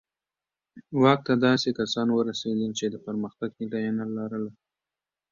واک ته داسې کسان ورسېدل چې د پرمختګ هیله یې نه لرله.